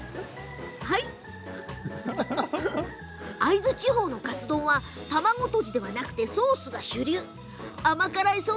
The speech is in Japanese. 会津地方のカツ丼は卵とじではなくソースが主流です。